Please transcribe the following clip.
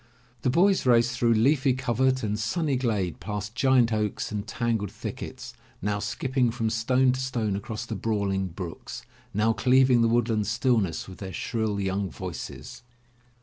The boys raced through leafy covert and sunny glade, past giant oaks and tangled thickets, now skipping from stone to stone across the brawling brooks, now cleaving the woodland stillness with their shrill young voices.